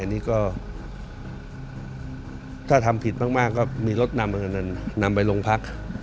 อันนี้ก็ถ้าทำผิดมากก็มีรถนำนำไปโรงพัก